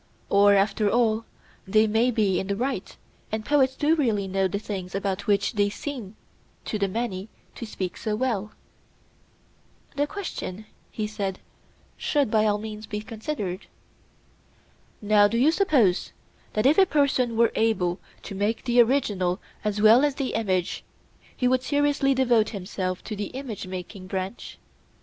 Or, after all, they may be in the right, and poets do really know the things about which they seem to the many to speak so well? The question, he said, should by all means be considered. Now do you suppose that if a person were able to make the original as well as the image, he would seriously devote himself to the image making branch?